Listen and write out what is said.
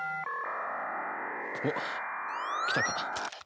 おっきたか。